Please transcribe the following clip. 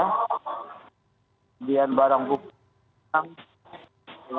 kemudian barang bukti yang terjangkau